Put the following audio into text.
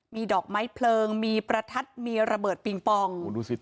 มีดอกไม้เพลิงมีประทัดมีระเบิดปิงปองดูสิ